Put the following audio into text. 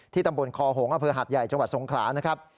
ตำบลคอหงษอำเภอหัดใหญ่จังหวัดสงขลานะครับ